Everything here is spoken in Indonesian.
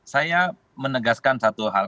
saya menegaskan satu hal